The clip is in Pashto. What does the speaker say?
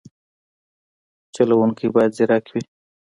چلوونکی باید ځیرک وي.